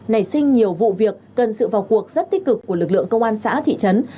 nảy sinh nhiều vụ việc cần sự vào cuộc rất tích cực của lực lượng công an xã thị trấn